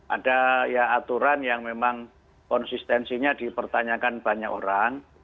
ada ya aturan yang memang konsistensinya dipertanyakan banyak orang